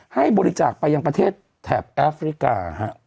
ให้บริจาคไปยังประเทศแถบแอฟริกา